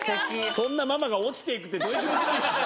そんなママが落ちていくってどういう気持ちなんでしょ？